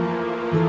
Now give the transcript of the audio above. jangan lupa bang eri